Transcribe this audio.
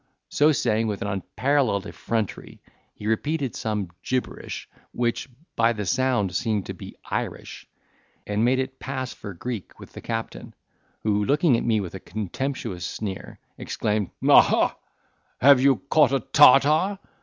So saying, with an unparalleled effrontery, he repeated some gibberish, which by the sound seemed to be Irish, and made it pass for Greek with the captain, who, looking at me with a contemptuous sneer, exclaimed, "Ah, ah! have you caught a tartar?"